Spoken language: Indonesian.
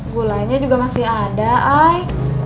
gulanya juga masih ada ai